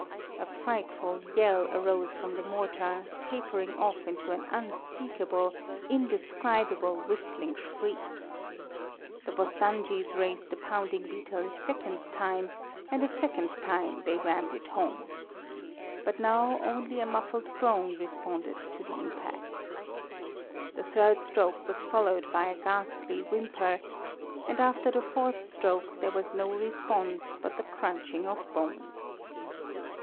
A frightful yell arose from the mortar, tapering off into an unspeakable, indescribable whistling shriek. The Bostanjis raised the pounding beetle a second time, and a second time they rammed it home. But now only a muffled groan responded to the impact. The third stroke was followed by a ghastly whimper, and after the fourth stroke there was no response but the crunching of bones.